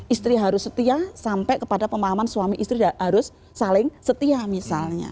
istri harus setia sampai kepada pemahaman suami istri harus saling setia misalnya